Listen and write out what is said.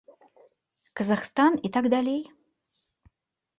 Казахстан і так далей.